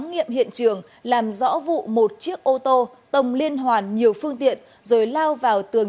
nghiệm hiện trường làm rõ vụ một chiếc ô tô tồng liên hoàn nhiều phương tiện rồi lao vào tường